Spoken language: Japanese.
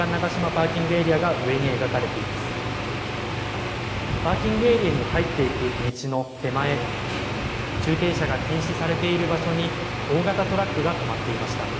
パーキングエリアに入っていく道の手前、駐停車が禁止されている場所に、大型トラックが止まっていました。